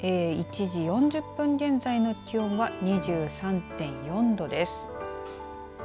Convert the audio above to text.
１時４０分現在の気温は２３．４度です。